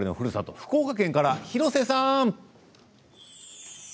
福岡県から廣瀬さん！